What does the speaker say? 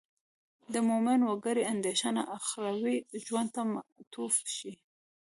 د مومن وګړي اندېښنه اخروي ژوند ته معطوف شي.